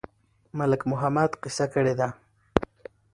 ملک محمد قصه کړې ده.